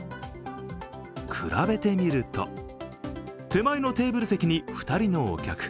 比べてみると、手前のテーブル席に２人のお客。